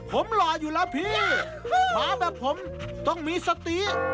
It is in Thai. ผมหล่ออยู่แล้วพี่มาแบบผมต้องมีสติ